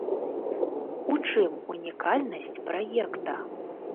У чым унікальнасць праекта?